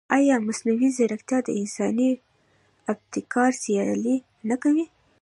ایا مصنوعي ځیرکتیا د انساني ابتکار سیالي نه کوي؟